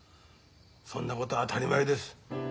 そんなことは当たり前です。